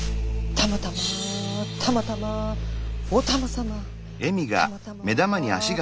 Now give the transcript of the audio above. たまたまたまたまお玉様。